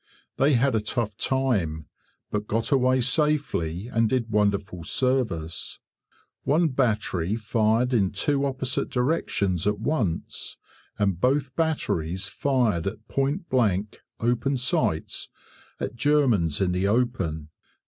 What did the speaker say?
They had a tough time, but got away safely, and did wonderful service. One battery fired in two opposite directions at once, and both batteries fired at point blank, open sights, at Germans in the open.